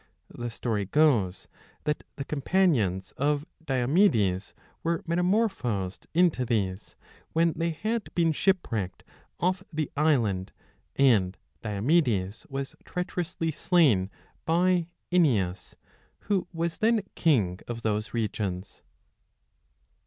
The 15 story goes that the companions of Diomedes were meta morphosed 1 into these, when they had been shipwrecked off the island and Diomedes was treacherously slain by Aeneas, who was then king of those regions.